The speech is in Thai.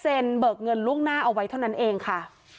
เบิกเงินล่วงหน้าเอาไว้เท่านั้นเองค่ะ